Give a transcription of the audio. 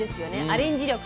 アレンジ力。